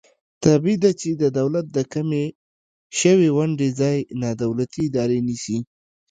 طبعي ده چې د دولت د کمې شوې ونډې ځای نا دولتي ادارې نیسي.